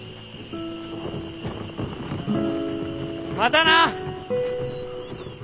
またな！